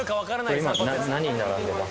これ今何に並んでます？